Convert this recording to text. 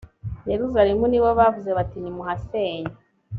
yerusalemu ni bo bavuze bati nimuhasenye